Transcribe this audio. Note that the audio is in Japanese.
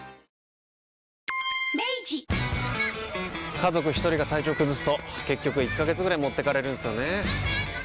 家族一人が体調崩すと結局１ヶ月ぐらい持ってかれるんすよねー。